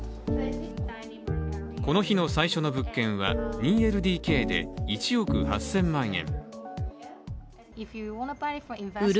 この日の最初の物件は２ＬＤＫで１億８０００万円。